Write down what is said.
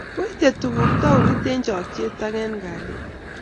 Koitei tukuk taonit eng chokchet ak eng kalyet